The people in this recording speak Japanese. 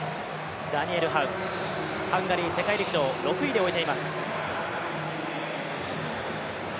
ダニエル・ハウ、ハンガリー世界陸上６位で終えています。